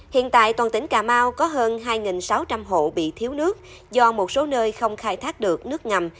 hiện tại toàn tỉnh cà mau có hơn hai sáu trăm linh hộ bị thiếu nước do một số nơi không khai thác được nước ngầm